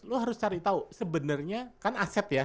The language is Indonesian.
lo harus cari tahu sebenarnya kan aset ya